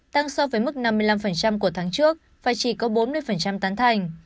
tăng so với mức năm mươi năm của tháng trước và chỉ có bốn mươi tán thành